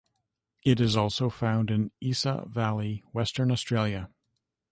It is also found in Isa Valley, Western Australia.